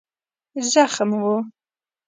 زخم و.